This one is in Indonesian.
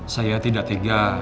saya tidak tiga